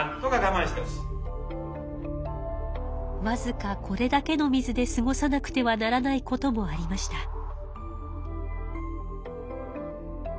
わずかこれだけの水で過ごさなくてはならないこともありました。